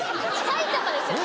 埼玉ですよね。